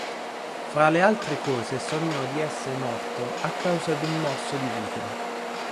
Fra le altre cose sognò di esser morto a causa d'un morso di vipera.